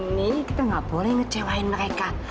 ini kita nggak boleh ngecewain mereka